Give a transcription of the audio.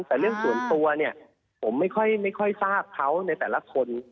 แต่เรื่องส่วนตัวเนี่ยผมไม่ค่อยทราบเขาในแต่ละคน